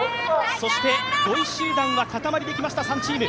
そして５位集団は塊できました、３チーム。